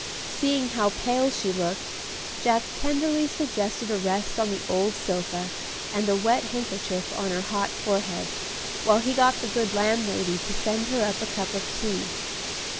Seeing how pale she looked, Jack tenderly suggested a rest on the old sofa, and a wet handkerchief on her hot forehead, while he got the good landlady to send her up a cup of tea.